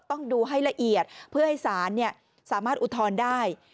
ต้องดูให้ละเอียดเพื่อให้ศาลสามารถอุทธรณ์ได้